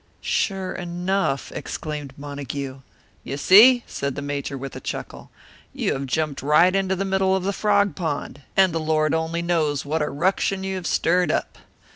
"Sure enough!" exclaimed Montague. "You see!" said the Major, with a chuckle. "You have jumped right into the middle of the frog pond, and the Lord only knows what a ruction you have stirred up!